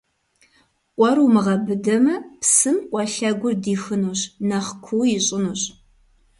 Къуэр умыгъэбыдэмэ, псым къуэ лъэгур дихынущ, нэхъ куу ищӀынущ.